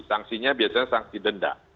sanksinya biasanya sanksi denda